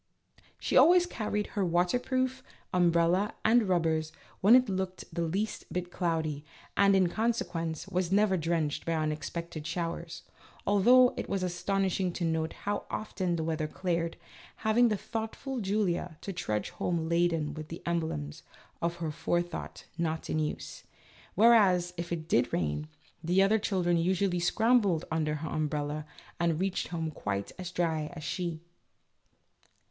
She always carried her waterproof, umbrella, and rubbers when it looked the least bit cloudy, and, in consequence, was never drenched by unexpected showers, although it was astonishing to note how often the weather cleared, leaving the thoughtful Julia to trudge home laden with the emblems of her forethought not in use ; whereas, if it did rain, the other children usually scrambled under her umbrella and reached home quite as dry as she.